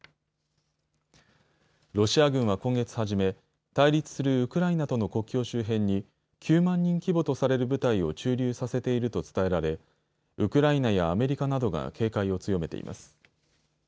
ロシア軍は今月初め、対立するウクライナとの国境周辺に９万人規模とされる部隊を駐留させていると伝えられウクライナやアメリカなどが警戒を強めています。